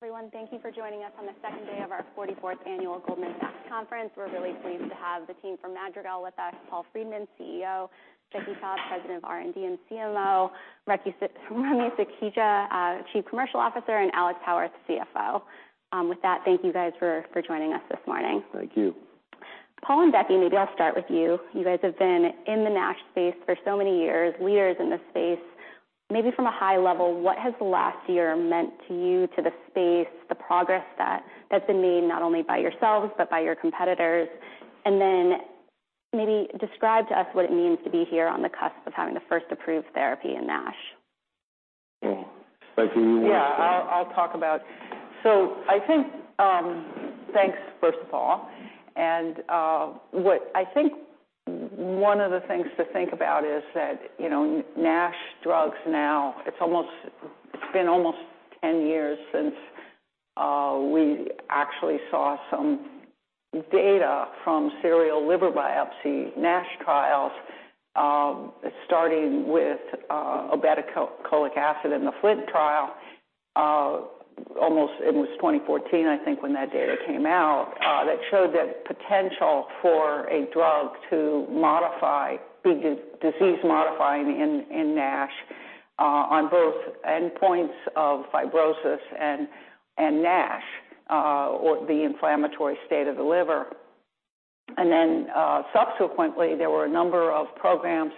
Everyone, thank you for joining us on the second day of our 44th Annual Goldman Sachs conference. We're really pleased to have the team from Madrigal with us, Paul Friedman, CEO; Becky Taub, President of R&D and CMO; Remy Sukhija, Chief Commercial Officer, and Alex Howarth, CFO. With that, thank you guys for joining us this morning. Thank you. Paul and Becky, maybe I'll start with you. You guys have been in the NASH space for so many years, leaders in this space. Maybe from a high level, what has the last year meant to you, to the space, the progress that's been made not only by yourselves but by your competitors? Then maybe describe to us what it means to be here on the cusp of having the first approved therapy in NASH. Becky, you want to? Yeah, I'll talk about it. Thanks, first of all. What I think one of the things to think about is that, you know, NASH drugs now, it's almost, it's been almost 10 years since we actually saw some data from serial liver biopsy, NASH trials, starting with obeticholic acid in the FLINT trial. Almost it was 2014, I think, when that data came out that showed that potential for a drug to modify, be disease modifying in NASH, on both endpoints of fibrosis and NASH, or the inflammatory state of the liver. Subsequently, there were a number of programs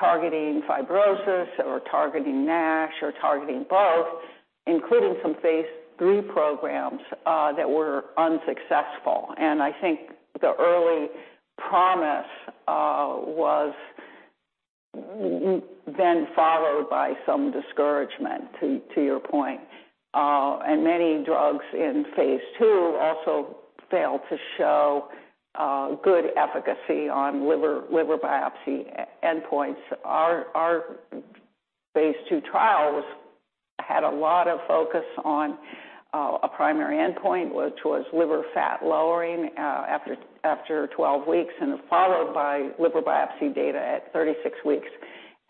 targeting fibrosis, or targeting NASH, or targeting both, including some Phase II programs that were unsuccessful. I think the early promise was then followed by some discouragement, to your point. Many drugs in phase II also failed to show good efficacy on liver biopsy endpoints. Our, our phase II trials had a lot of focus on a primary endpoint, which was liver fat lowering after 12 weeks, and followed by liver biopsy data at 36 weeks.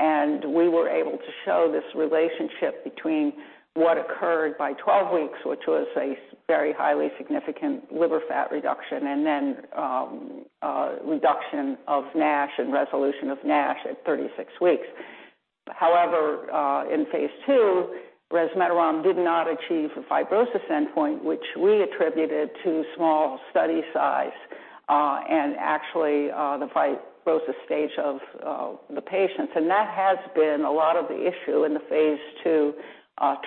We were able to show this relationship between what occurred by 12 weeks, which was a very highly significant liver fat reduction, and then reduction of NASH and resolution of NASH at 36 weeks. However, in phase II, resmetirom did not achieve a fibrosis endpoint, which we attributed to small study size, and actually the fibrosis stage of the patients. That has been a lot of the issue in the phase II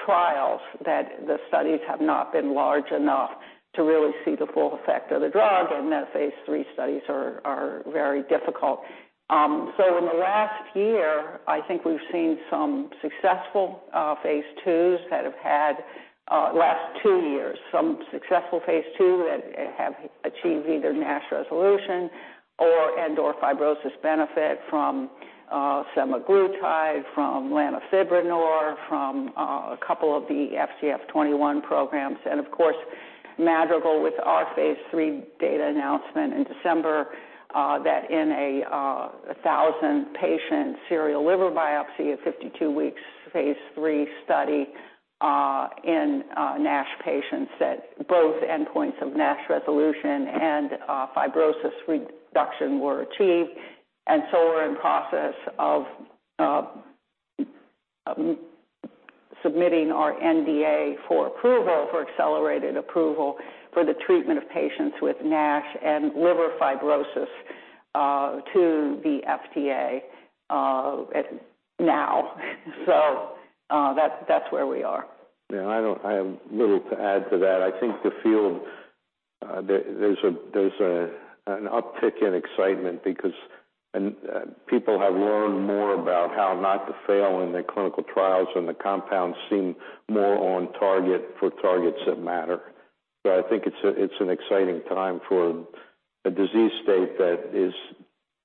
trials, that the studies have not been large enough to really see the full effect of the drug, and that phase III studies are very difficult. In the last year, I think we've seen some successful phase II's that have had last two years, some successful phase II that have achieved either NASH resolution or, and/or fibrosis benefit from semaglutide, from lanifibranor, from a couple of the FGF21 programs, and of course, Madrigal with our phase III data announcement in December, that in a 1,000-patient serial liver biopsy at 52 weeks, phase III study in NASH patients, that both endpoints of NASH resolution and fibrosis reduction were achieved. We're in process of submitting our NDA for approval, for accelerated approval, for the treatment of patients with NASH and liver fibrosis to the FDA now. That's where we are. Yeah, I have little to add to that. I think the field, there's an uptick in excitement because, and people have learned more about how not to fail in their clinical trials, and the compounds seem more on target for targets that matter. I think it's an exciting time for a disease state that is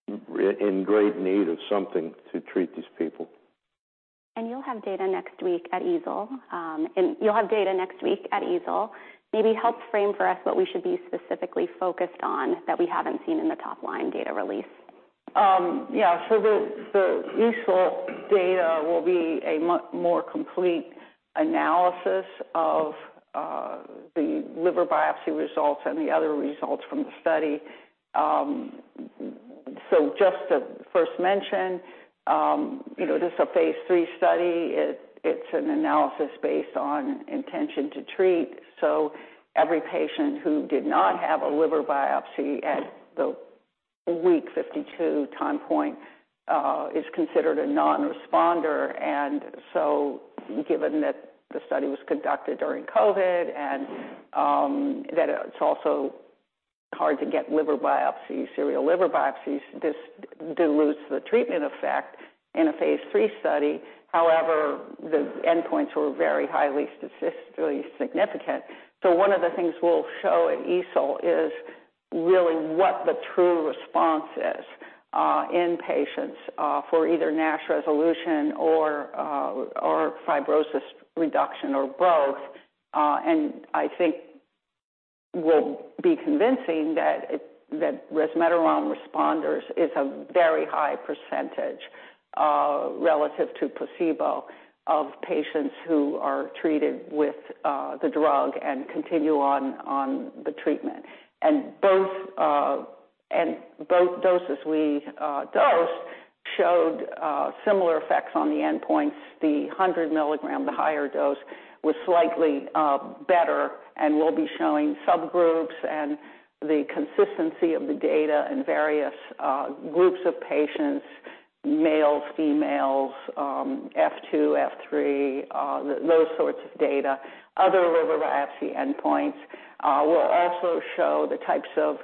in great need of something to treat these people. You'll have data next week at EASL. Maybe help frame for us what we should be specifically focused on that we haven't seen in the top-line data release. Yeah. The EASL data will be a much more complete analysis of the liver biopsy results and the other results from the study. Just to first mention, you know, this is a phase III study. It's an analysis based on intention to treat, every patient who did not have a liver biopsy at the week 52 time point is considered a non-responder. Given that the study was conducted during COVID and that it's also hard to get liver biopsy, serial liver biopsies, this dilutes the treatment effect in a phase III study. However, the endpoints were very highly statistically significant. One of the things we'll show at EASL is really what the true response is in patients for either NASH resolution or fibrosis reduction or both. will be convincing that resmetirom responders is a very high % relative to placebo of patients who are treated with the drug and continue on the treatment. Both doses we dosed showed similar effects on the endpoints. The 100 milligram, the higher dose, was slightly better and will be showing subgroups and the consistency of the data in various groups of patients, males, females, F2, F3, those sorts of data, other liver biopsy endpoints. We'll also show the types of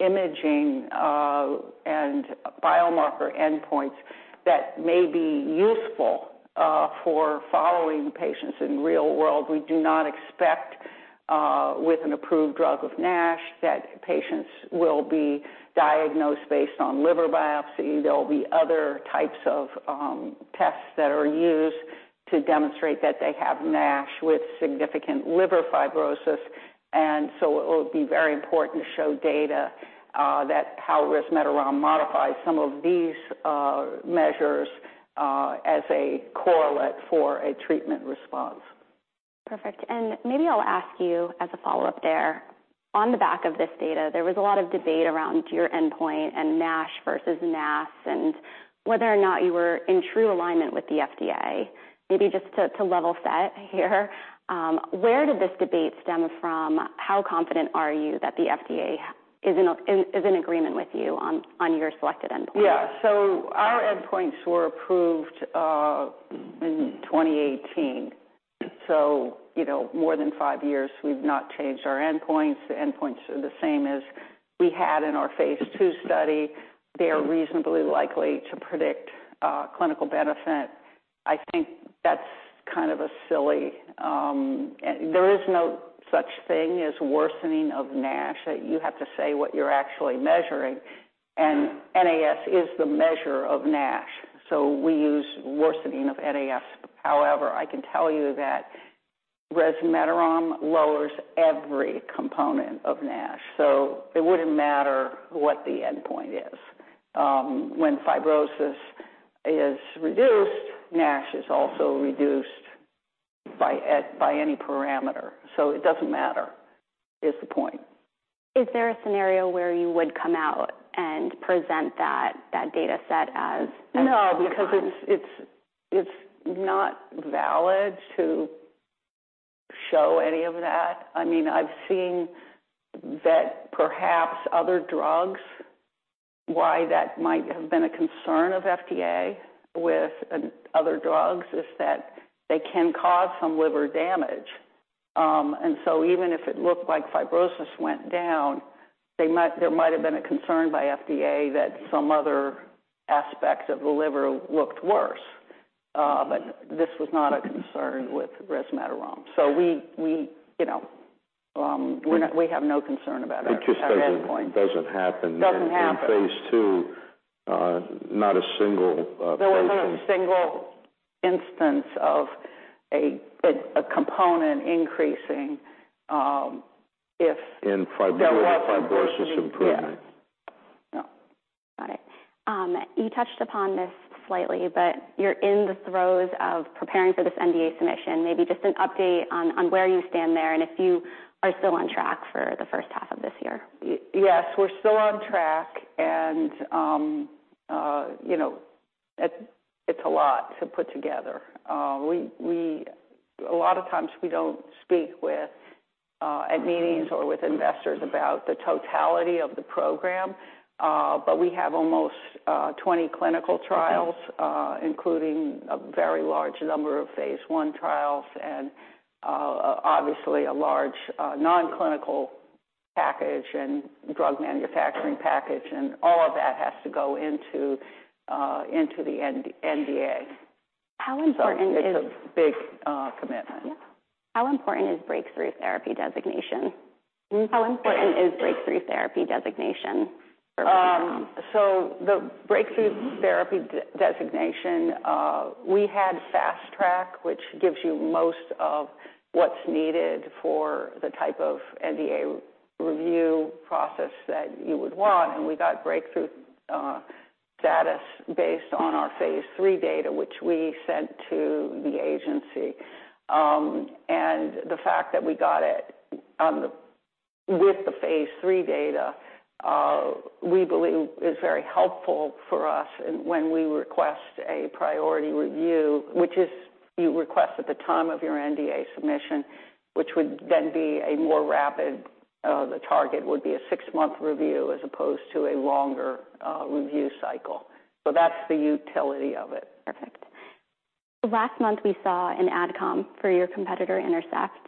imaging and biomarker endpoints that may be useful for following patients in real world. We do not expect, with an approved drug of NASH, that patients will be diagnosed based on liver biopsy. There will be other types of tests that are used to demonstrate that they have NASH with significant liver fibrosis. It will be very important to show data that how resmetirom modifies some of these measures as a correlate for a treatment response. Perfect. Maybe I'll ask you as a follow-up there. On the back of this data, there was a lot of debate around your endpoint and NASH versus NAS, and whether or not you were in true alignment with the FDA. Maybe just to level set here, where did this debate stem from? How confident are you that the FDA is in agreement with you on your selected endpoint? Yeah. Our endpoints were approved in 2018. You know, more than five years, we've not changed our endpoints. The endpoints are the same as we had in our phase II study. They are reasonably likely to predict clinical benefit. I think that's kind of a silly... There is no such thing as worsening of NASH, that you have to say what you're actually measuring, and NAS is the measure of NASH, so we use worsening of NAS. I can tell you that resmetirom lowers every component of NASH, so it wouldn't matter what the endpoint is. When fibrosis is reduced, NASH is also reduced by any parameter, so it doesn't matter, is the point. Is there a scenario where you would come out and present that data set. No, because it's not valid to show any of that. I mean, I've seen that perhaps other drugs, why that might have been a concern of FDA with other drugs, is that they can cause some liver damage. Even if it looked like fibrosis went down, there might have been a concern by FDA that some other aspects of the liver looked worse. This was not a concern with resmetirom. We, you know, have no concern about our endpoint. It just doesn't happen. Doesn't happen. In phase II, not a single patient- There wasn't a single instance of a component increasing. In fibrosis improving. Yes. Got it. You touched upon this slightly, but you're in the throes of preparing for this NDA submission. Maybe just an update on where you stand there and if you are still on track for the first half of this year. Yes, we're still on track, and, you know, it's a lot to put together. A lot of times we don't speak with, at meetings or with investors about the totality of the program, but we have almost, 20 clinical trials. Okay. including a very large number of phase I trials and, obviously, a large, non-clinical package and drug manufacturing package, and all of that has to go into the NDA. How important is? It's a big commitment. How important is Breakthrough Therapy designation? Hmm? How important is Breakthrough Therapy designation for resmetirom? The Breakthrough Therapy designation, we had Fast Track, which gives you most of what's needed for the type of NDA review process that you would want, and we got Breakthrough status based on our phase III data, which we sent to the agency. The fact that we got it on the, with the phase III data, we believe is very helpful for us when we request a priority review, which is, you request at the time of your NDA submission, which would then be a more rapid, the target would be a six-month review as opposed to a longer review cycle. That's the utility of it. Perfect. Last month, we saw an AdCom for your competitor, Intercept.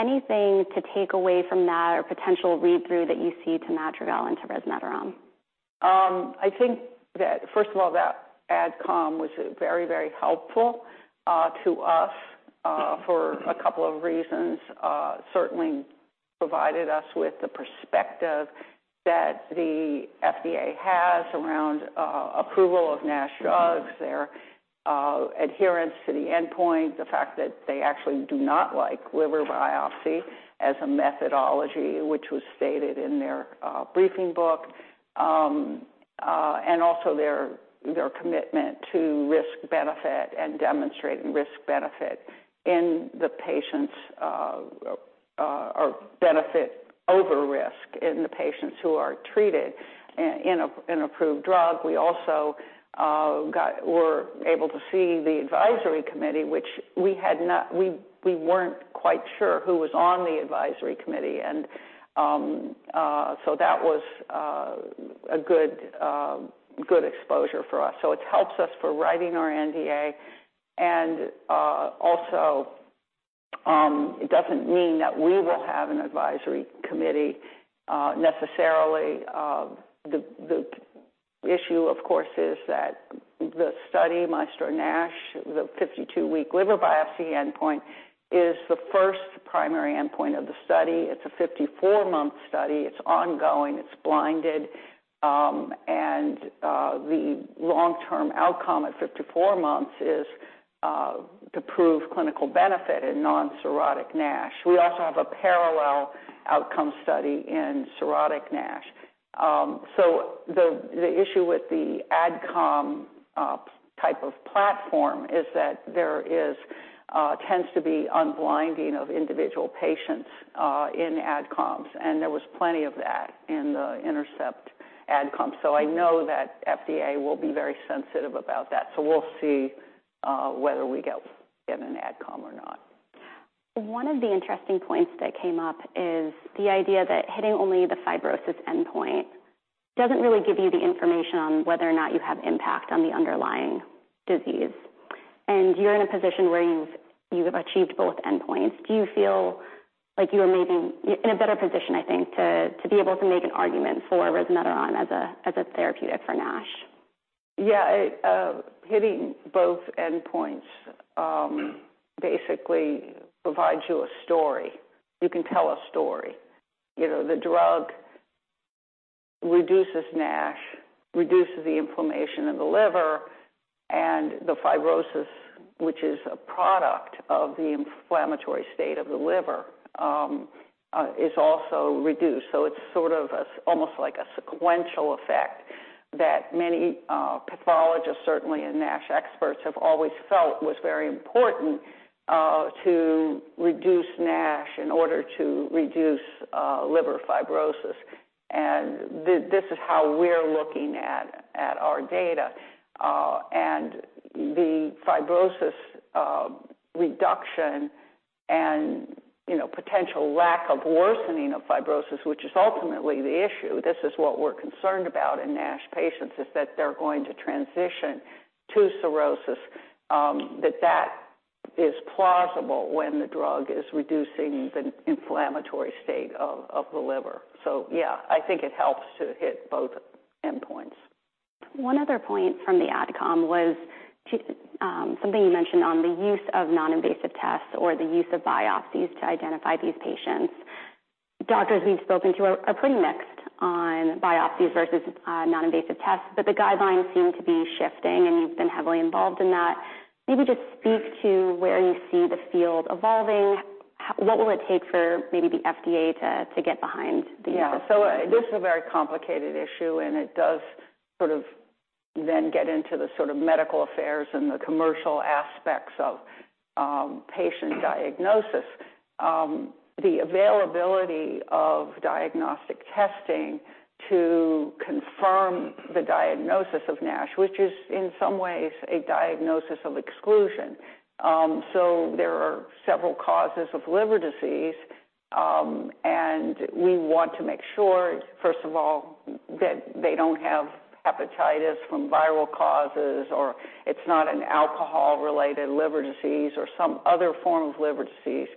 Anything to take away from that or potential read-through that you see to Madrigal and to resmetirom? I think that, first of all, that AdCom was very helpful to us for a couple of reasons. Certainly provided us with the perspective that the FDA has around approval of NASH drugs, their adherence to the endpoint, the fact that they actually do not like liver biopsy as a methodology, which was stated in their briefing book. Also their commitment to risk-benefit and demonstrating risk-benefit in the patients, or benefit over risk in the patients who are treated in an approved drug. We also were able to see the advisory committee, which we weren't quite sure who was on the advisory committee. That was a good exposure for us. It helps us for writing our NDA. Also, it doesn't mean that we will have an advisory committee necessarily. The issue, of course, is that the study, MAESTRO-NASH, the 52-week liver biopsy endpoint, is the first primary endpoint of the study. It's a 54-month study. It's ongoing, it's blinded, and the long-term outcome at 54 months is to prove clinical benefit in non-cirrhotic NASH. We also have a parallel outcome study in cirrhotic NASH. The issue with the AdCom type of platform is that there tends to be unblinding of individual patients in AdComs, and there was plenty of that in the Intercept AdCom. I know that FDA will be very sensitive about that, so we'll see whether we get an AdCom or not. One of the interesting points that came up is the idea that hitting only the fibrosis endpoint doesn't really give you the information on whether or not you have impact on the underlying disease. You're in a position where you've achieved both endpoints. Do you feel like you are maybe in a better position, I think, to be able to make an argument for resmetirom as a therapeutic for NASH? Yeah, hitting both endpoints, basically provides you a story. You can tell a story. You know, the drug reduces NASH, reduces the inflammation in the liver, and the fibrosis, which is a product of the inflammatory state of the liver, is also reduced. It's sort of almost like a sequential effect that many pathologists, certainly, and NASH experts have always felt was very important to reduce NASH in order to reduce liver fibrosis. This is how we're looking at our data. The fibrosis reduction and, you know, potential lack of worsening of fibrosis, which is ultimately the issue, this is what we're concerned about in NASH patients, is that they're going to transition to cirrhosis, that is plausible when the drug is reducing the inflammatory state of the liver. Yeah, I think it helps to hit both endpoints. One other point from the AdCom was to, something you mentioned on the use of non-invasive tests or the use of biopsies to identify these patients. Doctors we've spoken to are pretty mixed on biopsies versus non-invasive tests, but the guidelines seem to be shifting, and you've been heavily involved in that. Maybe just speak to where you see the field evolving. What will it take for maybe the FDA to get behind the- This is a very complicated issue, and it does sort of then get into the sort of medical affairs and the commercial aspects of patient diagnosis. The availability of diagnostic testing to confirm the diagnosis of NASH, which is in some ways a diagnosis of exclusion. There are several causes of liver disease, and we want to make sure, first of all, that they don't have hepatitis from viral causes, or it's not an alcohol-related liver disease or some other form of liver disease.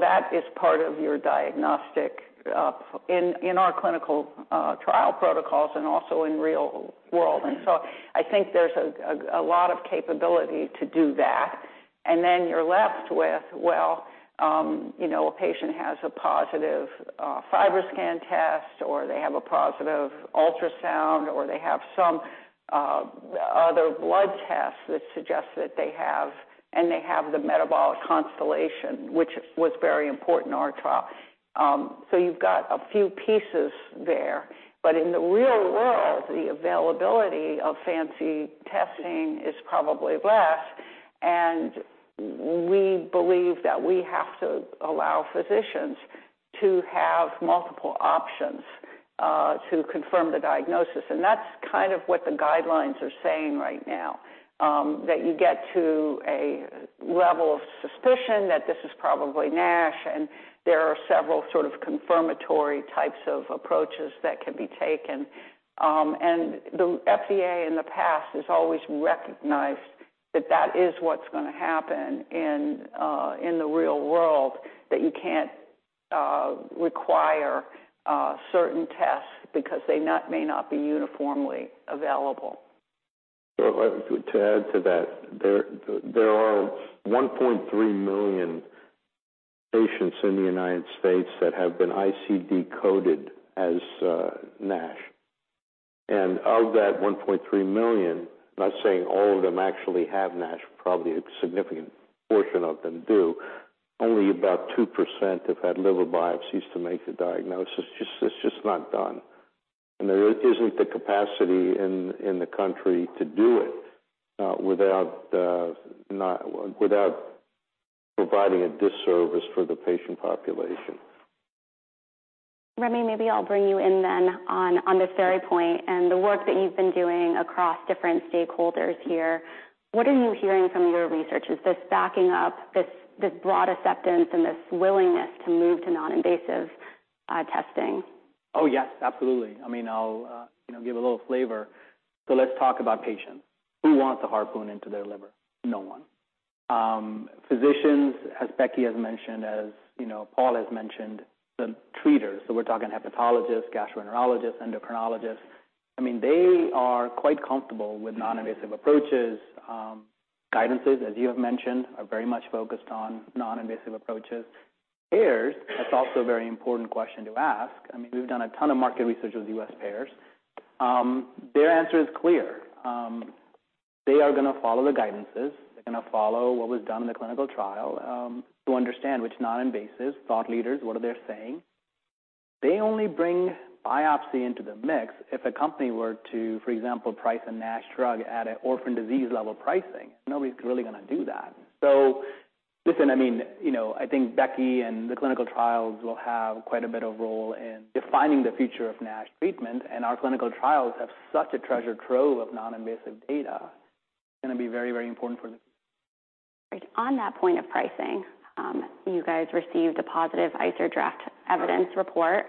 That is part of your diagnostic in our clinical trial protocols and also in real world. I think there's a lot of capability to do that. You're left with, well, you know, a patient has a positive FibroScan test, or they have a positive ultrasound, or they have some other blood tests that suggest that they have... and they have the metabolic constellation, which was very important in our trial. You've got a few pieces there, but in the real world, the availability of fancy testing is probably less, and we believe that we have to allow physicians to have multiple options to confirm the diagnosis. That's kind of what the guidelines are saying right now, that you get to a level of suspicion that this is probably NASH, and there are several sort of confirmatory types of approaches that can be taken. The FDA in the past has always recognized that that is what's going to happen in the real world, that you can't require certain tests because they may not be uniformly available. To add to that, there are 1.3 million patients in the United States that have been ICD-coded as NASH. Of that 1.3 million, I'm not saying all of them actually have NASH, probably a significant portion of them do. Only about 2% have had liver biopsies to make the diagnosis. It's just not done. There isn't the capacity in the country to do it without the, not, without providing a disservice for the patient population. Remy, maybe I'll bring you in then on this very point and the work that you've been doing across different stakeholders here. What are you hearing from your research? Is this backing up this broad acceptance and this willingness to move to non-invasive testing? Yes, absolutely. I mean, I'll, you know, give a little flavor. Let's talk about patients. Who wants a harpoon into their liver? No one. Physicians, as Becky has mentioned, as you know, Paul has mentioned, the treaters, so we're talking hepatologists, gastroenterologists, endocrinologists. I mean, they are quite comfortable with non-invasive approaches. Guidances, as you have mentioned, are very much focused on non-invasive approaches. Payers, that's also a very important question to ask. I mean, we've done a ton of market research with U.S. payers. Their answer is clear. They are going to follow the guidances. They're going to follow what was done in the clinical trial, to understand which non-invasive thought leaders, what are they saying. They only bring biopsy into the mix if a company were to, for example, price a NASH drug at an orphan disease level pricing. Nobody's really going to do that. listen, I mean, you know, I think Becky and the clinical trials will have quite a bit of role in defining the future of NASH treatment. Our clinical trials have such a treasure trove of non-invasive data. It's going to be very, very important for them. On that point of pricing, you guys received a positive ICER draft evidence report,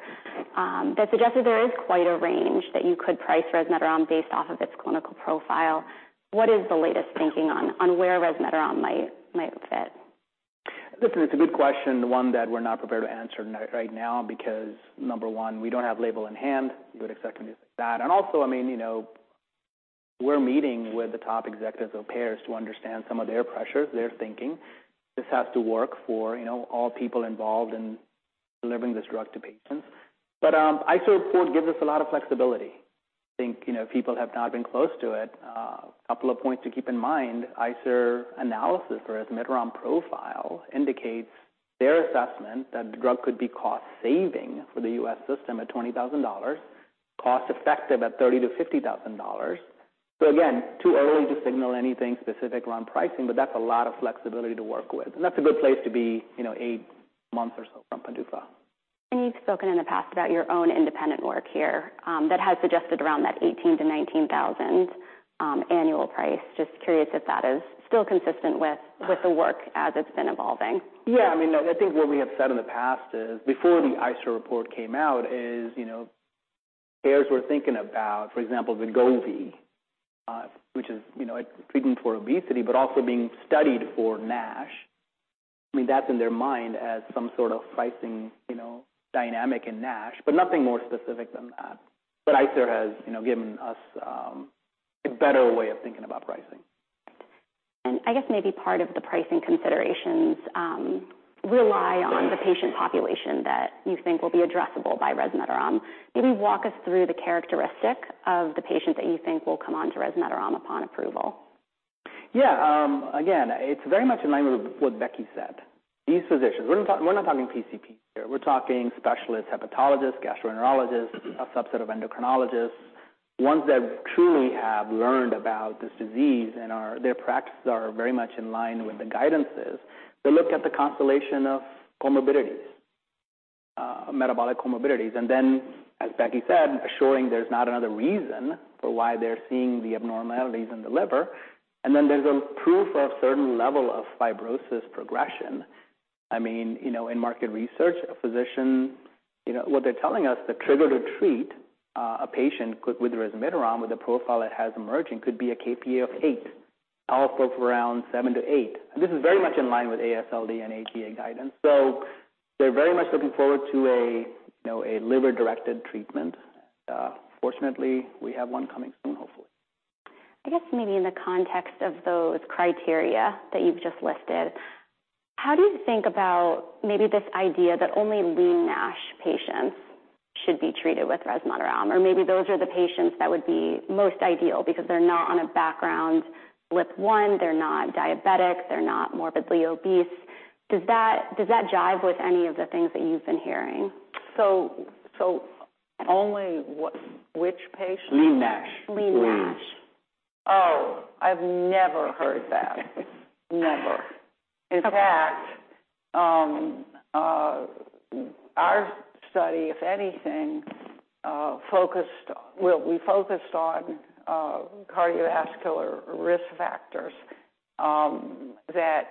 that suggested there is quite a range that you could price resmetirom based off of its clinical profile. What is the latest thinking on where resmetirom might fit? Listen, it's a good question, the one that we're not prepared to answer right now, because number one, we don't have label in hand. You would expect that. Also, I mean, you know, we're meeting with the top executives of payers to understand some of their pressures, their thinking. This has to work for, you know, all people involved in delivering this drug to patients. ICER report gives us a lot of flexibility. I think, you know, people have not been close to it. A couple of points to keep in mind, ICER analysis for resmetirom profile indicates their assessment that the drug could be cost-saving for the U.S. system at $20,000, cost effective at $30,000-$50,000. Again, too early to signal anything specific on pricing, but that's a lot of flexibility to work with. That's a good place to be, you know, eight months or so from PDUFA. You've spoken in the past about your own independent work here, that has suggested around that $18,000-$19,000 annual price. Just curious if that is still consistent with the work as it's been evolving. Yeah, I mean, I think what we have said in the past is before the ICER report came out is, you know, payers were thinking about, for example, Wegovy, which is, you know, a treatment for obesity, but also being studied for NASH. I mean, that's in their mind as some sort of pricing, you know, dynamic in NASH, but nothing more specific than that. ICER has, you know, given us a better way of thinking about pricing. I guess maybe part of the pricing considerations rely on the patient population that you think will be addressable by resmetirom. Maybe walk us through the characteristic of the patient that you think will come on to resmetirom upon approval. Again, it's very much in line with what Becky said. These physicians, we're not, we're not talking PCP here. We're talking specialists, hepatologists, gastroenterologists, a subset of endocrinologists, ones that truly have learned about this disease and their practices are very much in line with the guidances. They look at the constellation of comorbidities, metabolic comorbidities, and then, as Becky said, assuring there's not another reason for why they're seeing the abnormalities in the liver. There's a proof of certain level of fibrosis progression. I mean, you know, in market research, a physician, you know, what they're telling us, the trigger to treat a patient with resmetirom, with the profile it has emerging, could be a kPa of 8, alpha of around 7-8. This is very much in line with AFLD and AGA guidance. They're very much looking forward to a, you know, a liver-directed treatment. Fortunately, we have one coming soon, hopefully. I guess maybe in the context of those criteria that you've just listed, how do you think about maybe this idea that only lean NASH patients should be treated with resmetirom, or maybe those are the patients that would be most ideal because they're not on a background with one, they're not diabetic, they're not morbidly obese? Does that jive with any of the things that you've been hearing? only which patient? Lean NASH. Lean NASH. Oh, I've never heard that. Never. Okay. In fact, our study, if anything, we focused on cardiovascular risk factors, that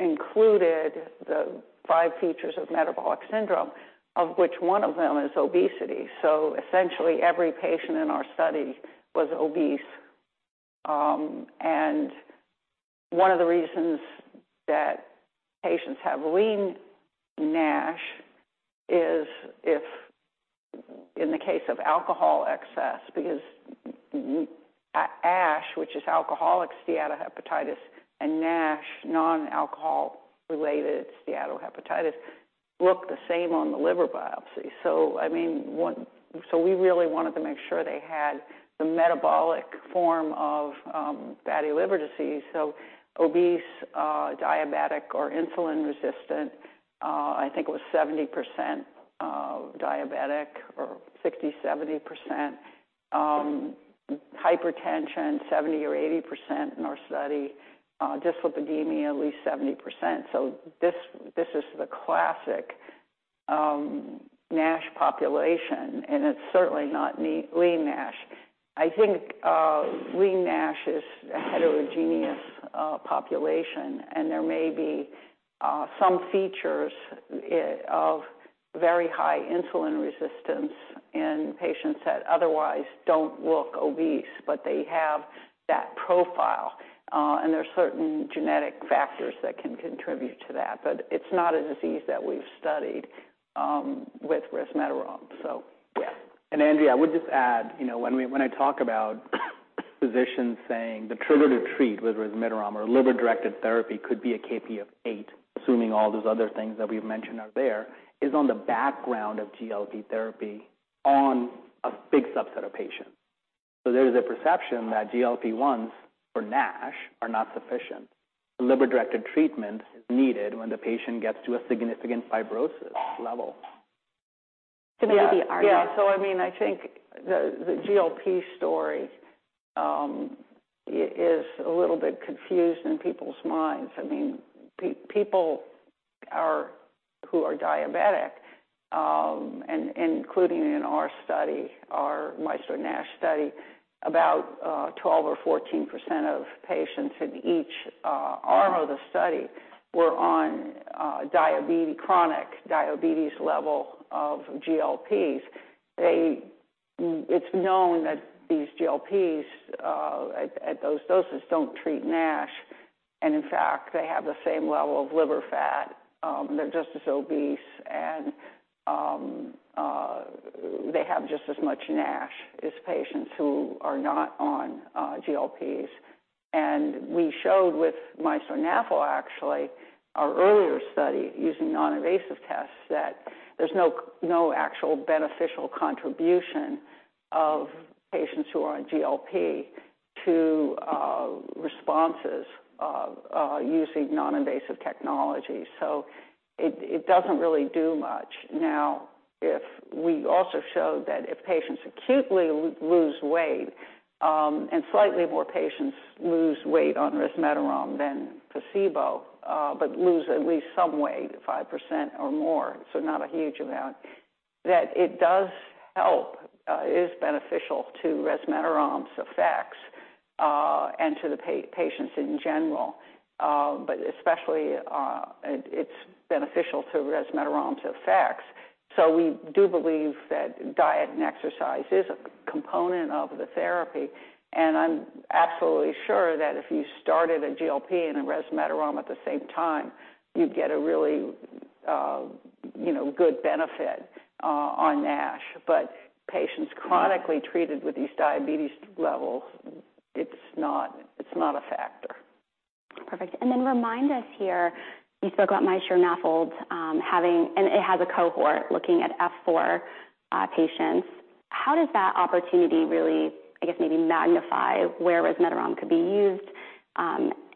included the five features of metabolic syndrome, of which one of them is obesity. Essentially, every patient in our study was obese. One of the reasons that patients have lean NASH is if in the case of alcohol excess, because ASH, which is alcoholic steatohepatitis, and NASH, nonalcoholic steatohepatitis. I mean, one, we really wanted to make sure they had the metabolic form of fatty liver disease. Obese, diabetic or insulin resistant, I think it was 70%, diabetic or 60%, 70%. Hypertension, 70% or 80% in our study, dyslipidemia, at least 70%. This is the classic NASH population, and it's certainly not lean NASH. I think, lean NASH is a heterogeneous population, and there may be some features it of very high insulin resistance in patients that otherwise don't look obese, but they have that profile, and there are certain genetic factors that can contribute to that. It's not a disease that we've studied with resmetirom. Yeah. Andrea, I would just add, you know, when we, when I talk about physicians saying the trigger to treat with resmetirom or liver-directed therapy could be a kPa of 8, assuming all those other things that we've mentioned are there, is on the background of GLP‑1 therapy on a big subset of patients. There is a perception that GLP-1s for NASH are not sufficient. Liver-directed treatment is needed when the patient gets to a significant fibrosis level. maybe. I mean, I think the GLP‑1 story is a little bit confused in people's minds. I mean, people are, who are diabetic, and including in our study, our MAESTRO-NASH study, about 12% or 14% of patients in each arm of the study were on diabetic, chronic diabetes level of GLPs. It's known that these GLPs at those doses don't treat NASH, and in fact, they have the same level of liver fat, they're just as obese, and they have just as much NASH as patients who are not on GLPs. We showed with MAESTRO-NAFLD, actually, our earlier study, using non-invasive tests, that there's no actual beneficial contribution of patients who are on GLP to responses of using non-invasive technology. It doesn't really do much. If we also showed that if patients acutely lose weight, and slightly more patients lose weight on resmetirom than placebo, but lose at least some weight, 5% or more, so not a huge amount, that it does help, is beneficial to resmetirom's effects, and to the patients in general, but especially, it's beneficial to resmetirom's effects. We do believe that diet and exercise is a component of the therapy, and I'm absolutely sure that if you started a GLP and a resmetirom at the same time, you'd get a really, you know, good benefit, on NASH. Patients chronically treated with these diabetes levels, it's not a factor. Perfect. Then remind us here, you spoke about MAESTRO-NAFLD, and it has a cohort looking at F4 patients. How does that opportunity really, I guess, maybe magnify where resmetirom could be used?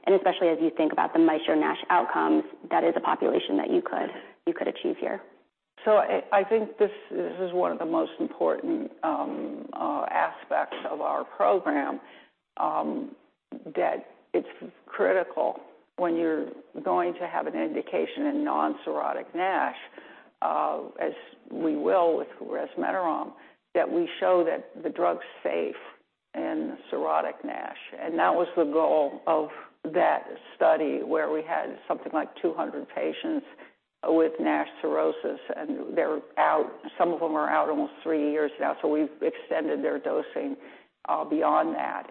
Especially as you think about the MAESTRO-NASH outcomes, that is a population that you could achieve here. I think this is one of the most important aspects of our program, that it's critical when you're going to have an indication in non-cirrhotic NASH, as we will with resmetirom, that we show that the drug's safe in cirrhotic NASH. That was the goal of that study, where we had something like 200 patients with NASH cirrhosis, and some of them are out almost three years now, so we've extended their dosing beyond that.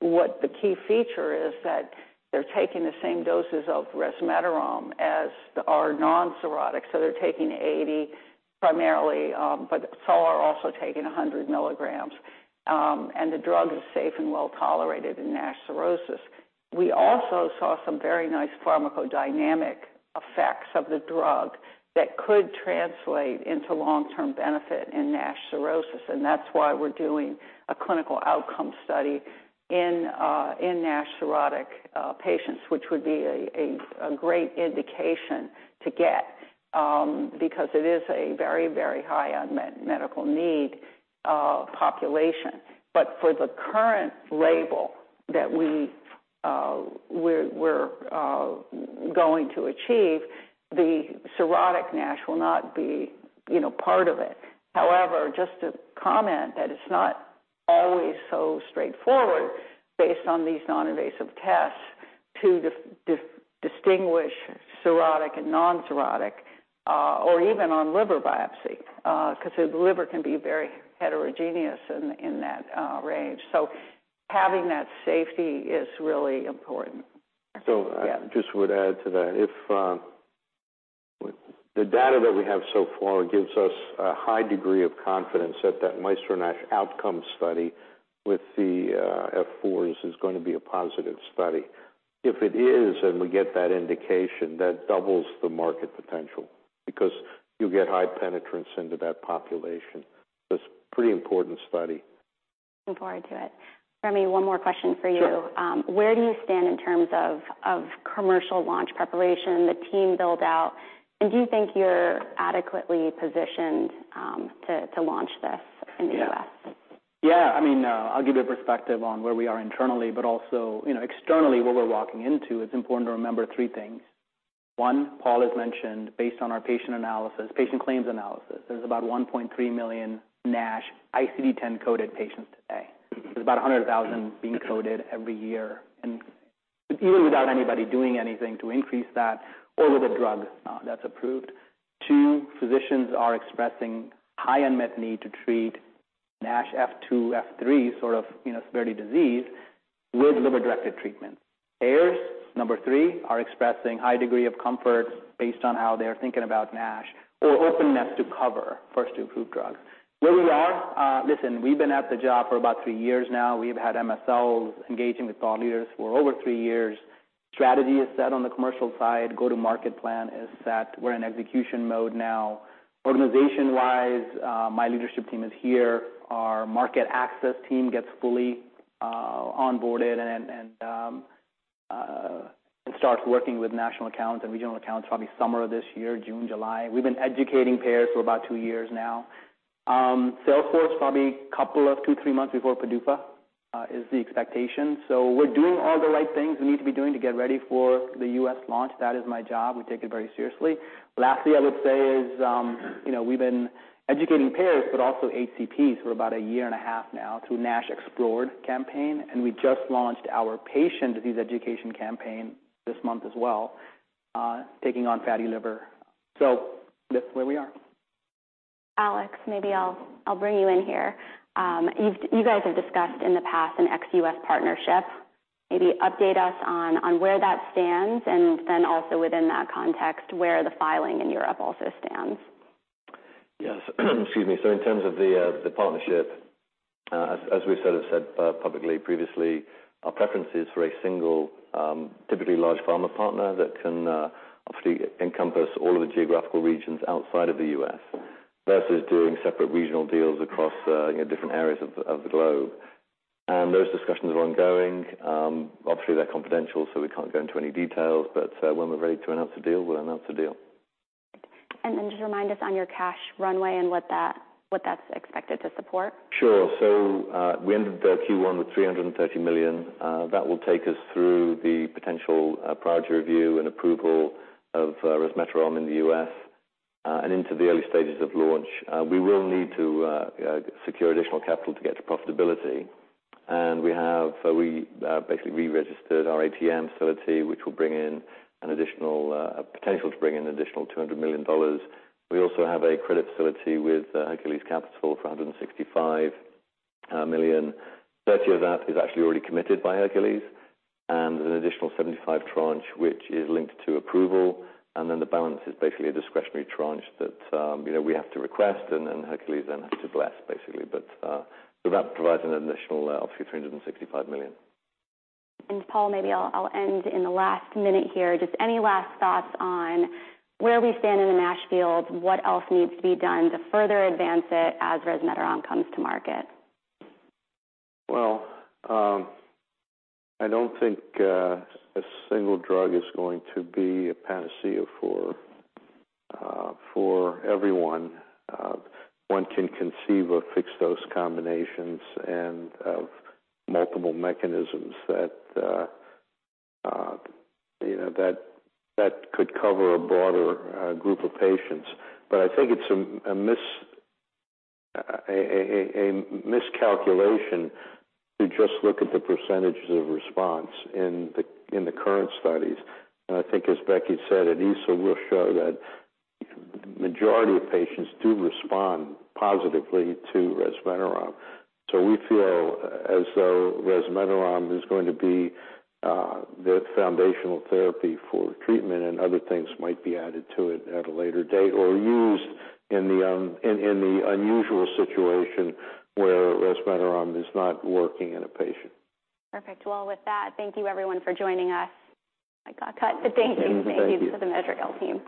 What the key feature is that they're taking the same doses of resmetirom as our non-cirrhotic. They're taking 80, primarily, but some are also taking 100 milligrams, and the drug is safe and well tolerated in NASH cirrhosis. We also saw some very nice pharmacodynamic effects of the drug that could translate into long-term benefit in NASH cirrhosis, and that's why we're doing a clinical outcome study in NASH cirrhotic patients, which would be a great indication to get because it is a very, very high unmet medical need population. For the current label that we're going to achieve, the cirrhotic NASH will not be, you know, part of it. However, just to comment that it's not always so straightforward based on these non-invasive tests, to distinguish cirrhotic and non-cirrhotic, or even on liver biopsy, because the liver can be very heterogeneous in that range. Having that safety is really important. So- Yeah. I just would add to that. If the data that we have so far gives us a high degree of confidence that that MAESTRO-NASH outcome study with the F4s is going to be a positive study. If it is, and we get that indication, that doubles the market potential because you get high penetrance into that population. It's a pretty important study. Look forward to it. Remy, one more question for you. Sure. Where do you stand in terms of commercial launch preparation, the team build out, and do you think you're adequately positioned to launch this in the U.S.? Yeah. I mean, I'll give you a perspective on where we are internally, but also, you know, externally, what we're walking into, it's important to remember 3 things. One, Paul has mentioned, based on our patient analysis, patient claims analysis, there's about $1.3 million NASH ICD-10 coded patients today. There's about 100,000 being coded every year, and even without anybody doing anything to increase that or with a drug that's approved. Two, physicians are expressing high unmet need to treat NASH F2, F3, sort of, you know, severity disease with liver-directed treatment. Payers, number 3, are expressing high degree of comfort based on how they are thinking about NASH or openness to cover first approved drugs. Where we are? Listen, we've been at the job for about three years now. We've had MSLs engaging with thought leaders for over three years. Strategy is set on the commercial side. Go-to-market plan is set. We're in execution mode now. Organization-wise, my leadership team is here. Our market access team gets fully onboarded and starts working with national accounts and regional accounts probably summer of this year, June, July. We've been educating payers for about two years now. Sales force, probably a couple of two, three months before PDUFA, is the expectation. We're doing all the right things we need to be doing to get ready for the U.S. launch. That is my job. We take it very seriously. Lastly, I would say is, you know, we've been educating payers, but also HCPs, for about a year and a half now through NASH Explored campaign, and we just launched our patient disease education campaign this month as well, Taking on Fatty Liver. That's where we are. Alex, maybe I'll bring you in here. You guys have discussed in the past an ex-US partnership. Maybe update us on where that stands and then also within that context, where the filing in Europe also stands? Yes. Excuse me. In terms of the partnership, as we sort of said publicly previously, our preference is for a single, typically large pharma partner that can obviously encompass all of the geographical regions outside of the U.S. versus doing separate regional deals across, you know, different areas of the globe. Those discussions are ongoing. Obviously, they're confidential, so we can't go into any details, but when we're ready to announce a deal, we'll announce a deal. Just remind us on your cash runway and what that's expected to support? Sure. We ended the Q1 with $330 million. That will take us through the potential priority review and approval of resmetirom in the US and into the early stages of launch. We will need to secure additional capital to get to profitability. We basically reregistered our ATM facility, which will bring in an additional potential to bring in an additional $200 million. We also have a credit facility with Hercules Capital for $165 million. 30 of that is actually already committed by Hercules and an additional 75 tranche, which is linked to approval. The balance is basically a discretionary tranche that, you know, we have to request, and then Hercules then has to bless, basically. that provides an additional $365 million. Paul, maybe I'll end in the last minute here. Just any last thoughts on where we stand in the NASH field? What else needs to be done to further advance it as resmetirom comes to market? Well, I don't think a single drug is going to be a panacea for everyone. One can conceive of fixed those combinations and of multiple mechanisms that, you know, that could cover a broader group of patients. I think it's a miscalculation to just look at the percentages of response in the current studies. I think, as Becky said, at EASL, we'll show that majority of patients do respond positively to resmetirom. We feel as though resmetirom is going to be the foundational therapy for treatment and other things might be added to it at a later date or used in the unusual situation where resmetirom is not working in a patient. Perfect. Well, with that, thank you everyone for joining us. I got cut, but thank you. Thank you. Thank you to the Madrigal team.